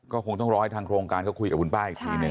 ก็คงต้องรอให้ทางโครงการเขาคุยกับคุณป้าอีกทีหนึ่ง